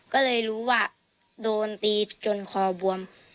ก็เลยรู้ว่าโดนตีจนคอบวม